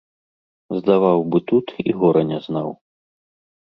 Здаваў бы тут і гора не знаў.